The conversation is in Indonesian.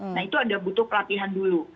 nah itu ada butuh pelatihan dulu